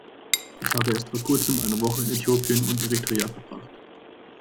Ich habe erst vor kurzem eine Woche in Äthiopien und Eritrea verbracht.